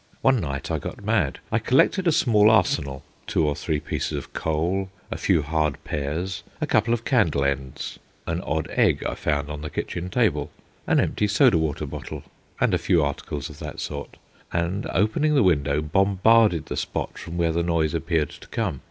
One night I got mad. I collected a small arsenal two or three pieces of coal, a few hard pears, a couple of candle ends, an odd egg I found on the kitchen table, an empty soda water bottle, and a few articles of that sort, and, opening the window, bombarded the spot from where the noise appeared to come.